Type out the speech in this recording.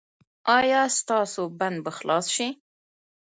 ایا ستاسو بند به خلاص شي؟